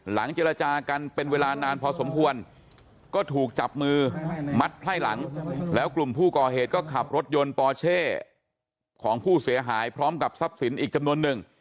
เจรจากันเป็นเวลานานพอสมควรก็ถูกจับมือมัดไพ่หลังแล้วกลุ่มผู้ก่อเหตุก็ขับรถยนต์ปอเช่ของผู้เสียหายพร้อมกับทรัพย์สินอีกจำนวนหนึ่ง